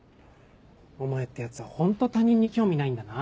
お前ってヤツはホント他人に興味ないんだな。